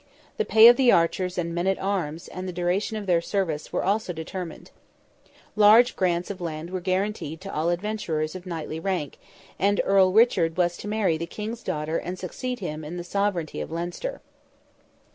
The pay of the archers and men at arms, and the duration of their service, were also determined. Large grants of land were guaranteed to all adventurers of knightly rank, and Earl Richard was to marry the King's daughter and succeed him in the sovereignty of Leinster.